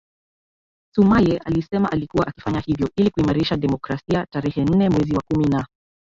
Sumaye alisema alikuwa akifanya hivyo ili kuimarisha demokrasiaTarehe nne mwezi wa kumi na